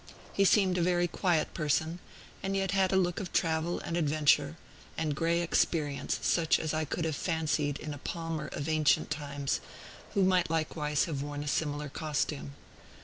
He seemed a very quiet person, and yet had a look of travel and adventure, and gray experience, such as I could have fancied in a palmer of ancient times, who might likewise have worn a similar costume.